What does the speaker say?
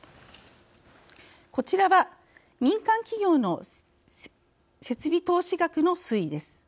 こちらは、民間企業の設備投資額の推移です。